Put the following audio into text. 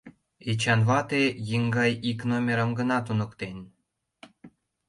Эчан вате еҥгай ик номерым гына туныктен.